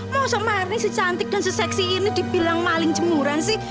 mau sok marni secantik dan seseksi ini dibilang maling cemuran sih